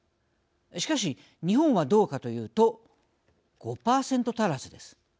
しかし、日本はどうかというと５％足らずです。